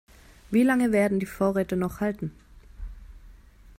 Wie lange werden die Vorräte noch halten?